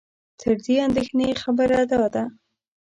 تر دې اندېښنې خبره دا ده